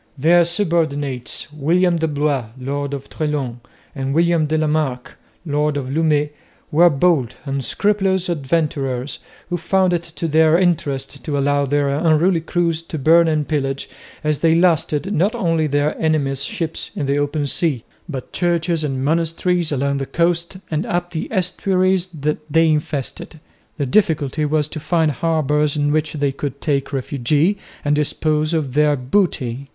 Their subordinates, William de Blois, lord of Treslong, and William de la Marck, lord of Lumey, were bold, unscrupulous adventurers who found it to their interest to allow their unruly crews to burn and pillage, as they lusted, not only their enemies' ships in the open sea, but churches and monasteries along the coast and up the estuaries that they infested. The difficulty was to find harbours in which they could take refuge and dispose of their booty.